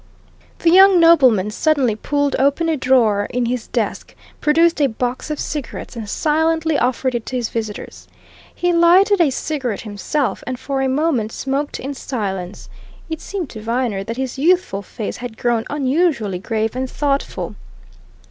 The young nobleman suddenly pulled open a drawer in his desk, produced a box of cigarettes and silently offered it to his visitors. He lighted a cigarette himself, and for a moment smoked in silence it seemed to Viner that his youthful face had grown unusually grave and thoughtful.